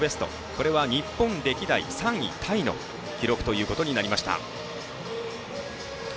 これは日本歴代３位タイの記録となりました。